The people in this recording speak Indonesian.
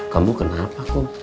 kamu kenapa kun